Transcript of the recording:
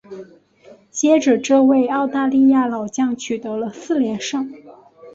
接着这位澳大利亚老将取得了四连胜。